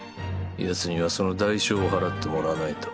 ヤツにはその代償を払ってもらわないと。